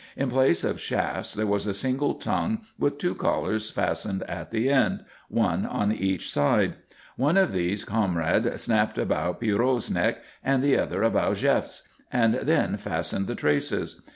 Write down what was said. In place of shafts there was a single tongue with two collars fastened at the end, one on each side. One of these Conrad snapped about Pierrot's neck and the other about Jef's, and then fastened the traces.